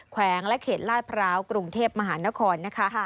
แขวงและเขตลาดพร้าวกรุงเทพมหานครนะคะ